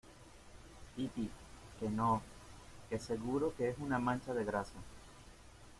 piti, que no , que seguro que es una mancha de grasa.